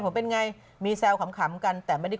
งั้นช่วงหน้ามาดูทำไมครับยินะ